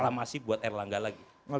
aklamasi buat erlangga lagi